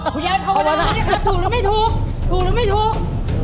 คุณยายคุณยายผ่านว่าถูกหรือไม่ถูกถูกหรือไม่ถูก